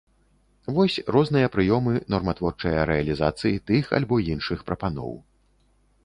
Вось розныя прыёмы норматворчыя рэалізацыі тых альбо іншых прапаноў.